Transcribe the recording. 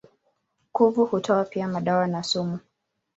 Kuvu hutoa pia madawa na sumu.